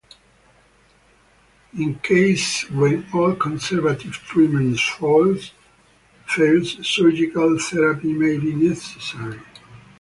In cases when all conservative treatment fails, surgical therapy may be necessary.